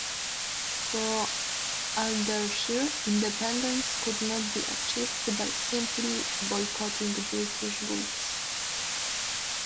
For Ardeshir, independence could not be achieved by simply boycotting British goods.